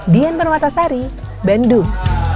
dian penuata sari bandung